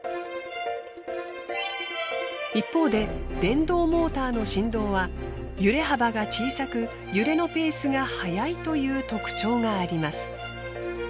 一方で電動モーターの振動は揺れ幅が小さく揺れのペースが速いという特徴があります。